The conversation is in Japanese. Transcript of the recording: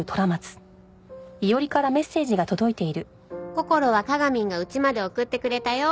「こころはかがみんがウチまで送ってくれたよー」